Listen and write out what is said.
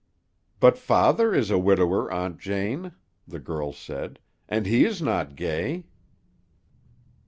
"But father is a widower, Aunt Jane," the girl said, "and he is not gay."